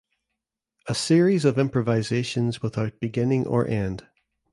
A series of improvisations without beginning or end.